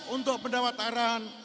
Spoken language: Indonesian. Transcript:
untuk mendapat arahan